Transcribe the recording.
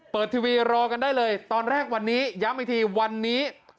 ทีวีรอกันได้เลยตอนแรกวันนี้ย้ำอีกทีวันนี้